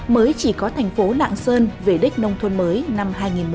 mới chỉ có thành phố lạng sơn về đích nông thuận mới năm hai nghìn một mươi bảy